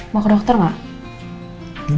mau ke dokter nggak